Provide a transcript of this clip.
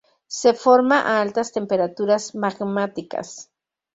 Se forma a altas temperaturas magmáticas.